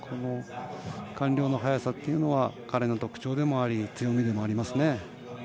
完了の速さというのは彼の特徴でもあり強みでもあります。